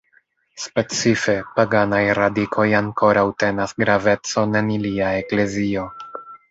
Specife, paganaj radikoj ankoraŭ tenas gravecon en ilia eklezio.